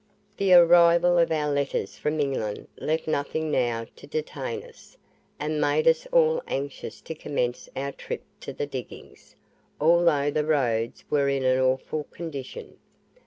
The arrival of our letters from England left nothing now to detain us, and made us all anxious to commence our trip to the diggings, although the roads were in an awful condition.